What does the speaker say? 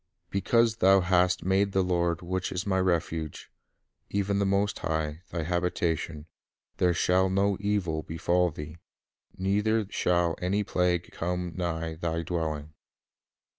Because thou hast made the Lord, which is my refuge, Even the Most High, thy habitation ; There shall no evil befall thee, Neither shall any plague come nigh thy dwelling."